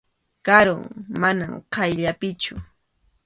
Karum, mana qayllapichu.